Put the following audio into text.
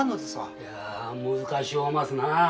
いや難しおますな。